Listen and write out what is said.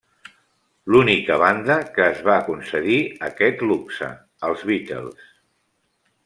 L'única banda que es va concedir a aquest luxe, els Beatles.